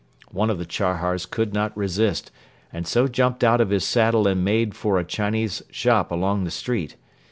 One of the Chahars could not resist and so jumped out of his saddle and made for a Chinese shop along the street.